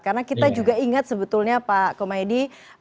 karena kita juga ingat sebetulnya pak komedi